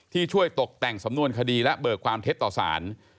ช่วยตกแต่งสำนวนคดีและเบิกความเท็จต่อสาร